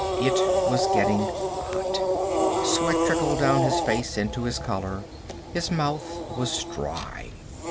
It was getting hot. Sweat trickled down his face, into his collar. His mouth was dry.